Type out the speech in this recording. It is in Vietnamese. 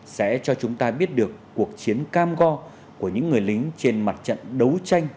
sẽ cho chúng ta biết được cuộc chiến cam go của những người lính trên mặt trận đấu tranh